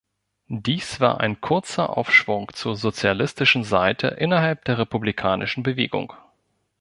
Dies war ein kurzer Aufschwung zur sozialistischen Seite innerhalb der republikanischen Bewegung.